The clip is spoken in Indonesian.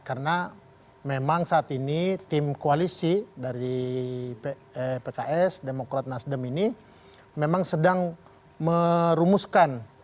karena memang saat ini tim koalisi dari pks demokrat nasdem ini memang sedang merumuskan